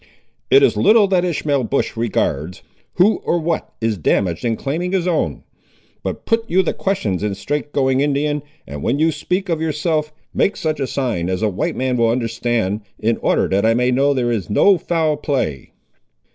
"It is little that Ishmael Bush regards, who or what is damaged in claiming his own. But put you the questions in straight going Indian, and when you speak of yourself, make such a sign as a white man will understand, in order that I may know there is no foul play."